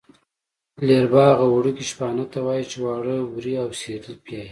لېربه هغه وړکي شپانه ته وايي چې واړه وري او سېرلی پیایي.